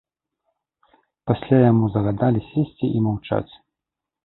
Пасля яму загадалі сесці і маўчаць.